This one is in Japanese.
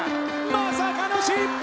まさかの失敗！